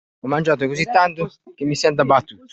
Ho mangiato così tanto che mi sento abbattuto.